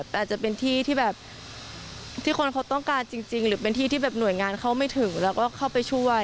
แต่อาจจะเป็นที่ที่แบบที่คนเขาต้องการจริงหรือเป็นที่ที่แบบหน่วยงานเข้าไม่ถึงแล้วก็เข้าไปช่วย